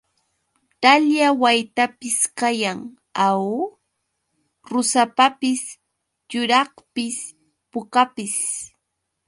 Dalya waytapis kayan, ¿aw? Rusapapis yuraqpis pukapis.